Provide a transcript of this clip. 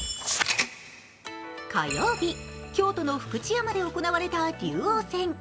火曜日、京都の福知山で行われた竜王戦。